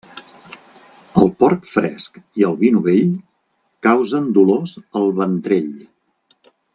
El porc fresc i el vi novell causen dolors al ventrell.